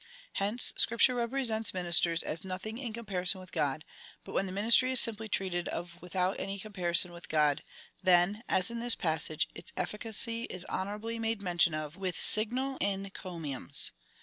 Hence Scripture represents ministers as nothing in comparison with God ; but when the ministry is simply treated of without any comparison with God, then, as in this passage, its efficacy is honourably made mention of, with signal encomiums.